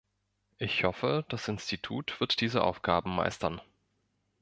Ich hoffe, das Institut wird diese Aufgaben meistern.